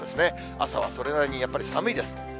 朝はそれなりにやっぱり寒いです。